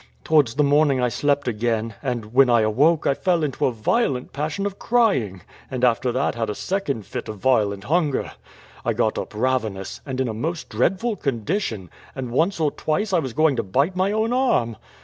Towards the morning I slept again, and when I awoke I fell into a violent passion of crying, and after that had a second fit of violent hunger. I got up ravenous, and in a most dreadful condition; and once or twice I was going to bite my own arm.